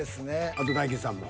あと大吉さんも。